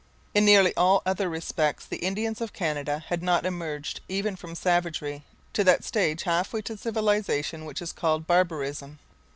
In nearly all other respects the Indians of Canada had not emerged even from savagery to that stage half way to civilization which is called barbarism.